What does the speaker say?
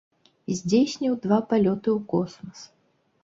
Здзейсніў два палёты ў космас.